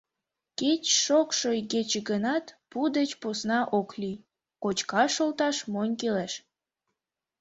Кеч шокшо игече гынат, пу деч посна ок лий: кочкаш шолташ монь кӱлеш.